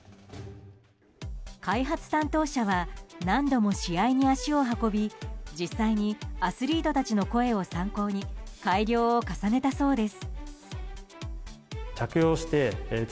開発担当者は何度も試合に足を運び実際にアスリートたちの声を参考に改良を重ねたそうです。